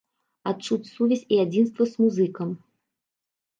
Адчуць сувязь і адзінства з музыкам.